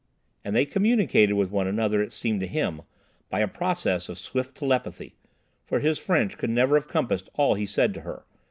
And they communicated with one another, it seemed to him, by a process of swift telepathy, for his French could never have compassed all he said to her.